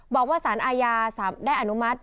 บอกว่าศาลอายาทรรภ์ได้อนุมัติ